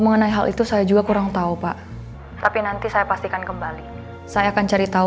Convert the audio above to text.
mengenai hal itu saya juga kurang tahu pak tapi nanti saya pastikan kembali saya akan cari tahu